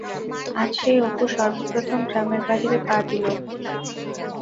আজ সেই অপু সর্বপ্রথম গ্রামের বাহিরে পা দিল।